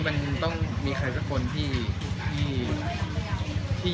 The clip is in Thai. มันต้องมีใครสักคนที่